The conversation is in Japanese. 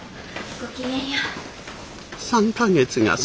ごきげんよう。